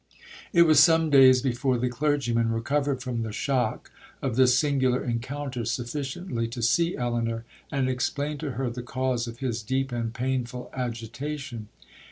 'It was some days before the clergyman recovered from the shock of this singular encounter sufficiently to see Elinor, and explain to her the cause of his deep and painful agitation.